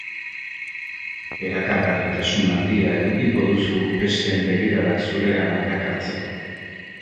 Erakagarritasun handia edukiko duzu besteen begiradak zuregana erakartzeko.